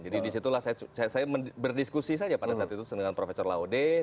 jadi disitulah saya saya berdiskusi saja pada saat itu dengan profesor laude dan saya berbicara dengan